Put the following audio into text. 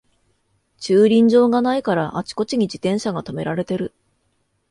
駐輪場がないからあちこちに自転車がとめられてる